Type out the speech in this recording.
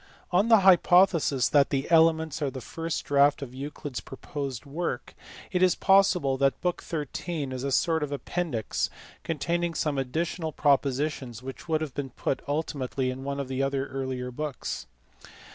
On the hypothesis that the Elements are the first draft of Euclid s proposed work, it is possible that book xiu. is a sort of appendix containing some additional propositions which would have been put ultimately in one or other of the earlier books.